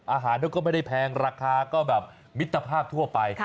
อาหารเขาก็ไม่ได้แพงราคาก็แบบมิตรภาพทั่วไป